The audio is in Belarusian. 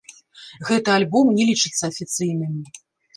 Гэты альбом не лічыцца афіцыйным.